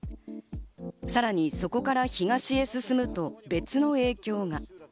さらにそこから東へ進むと別の影響が。